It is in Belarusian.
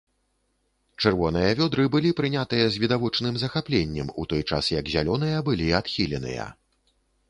Чырвоныя вёдры былі прынятыя з відавочным захапленнем, у той час як зялёныя былі адхіленыя.